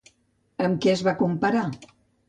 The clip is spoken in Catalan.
Amb què es va comparar?